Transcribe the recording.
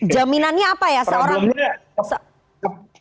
jaminannya apa ya seorang